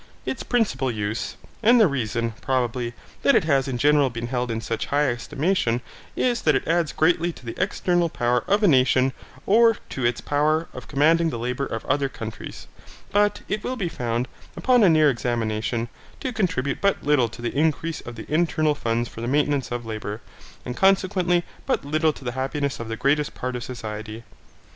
Its principal use, and the reason, probably, that it has in general been held in such high estimation is that it adds greatly to the external power of a nation or to its power of commanding the labour of other countries; but it will be found, upon a near examination, to contribute but little to the increase of the internal funds for the maintenance of labour, and consequently but little to the happiness of the greatest part of society.